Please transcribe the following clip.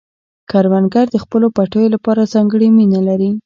کروندګر د خپلو پټیو لپاره ځانګړې مینه لري